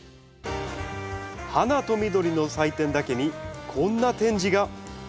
「花と緑の祭典」だけにこんな展示が！